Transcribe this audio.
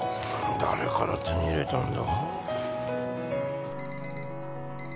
誰から手に入れたんだ？